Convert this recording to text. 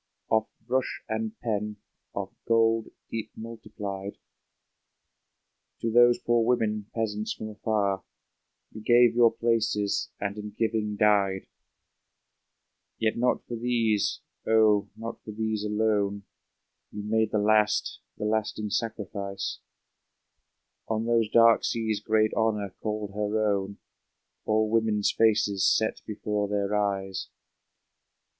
Of brush and pen, of gold deep multiplied, To those poor women, peasants from afar. You gave your places, and in giving died ! Yet not for these, oh, not for these alone. You made the last, the lasting sacrifice ! On those dark seas great Honor called her own, All women's faces set before their eyes!